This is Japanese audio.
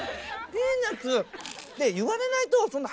ピーナッツって言われないとそんな。